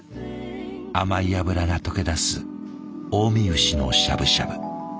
甘い脂が溶け出す近江牛のしゃぶしゃぶ。